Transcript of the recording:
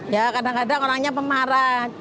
ya kadang kadang orangnya pemarah